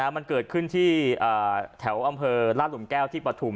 มันเกิดขึ้นที่แถวอำเภอราชหลุมแก้วที่ปฐุม